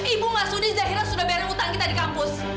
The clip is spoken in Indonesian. ibu masudi zahira sudah bayar hutang kita di kampus